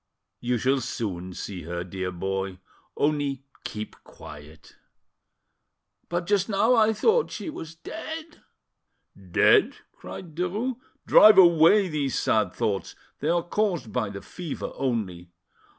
You shall soon see her, dear boy; only keep quiet." "But just now I thought she was dead." "Dead!" cried Derues. "Drive away these sad thoughts. They are caused by the fever only."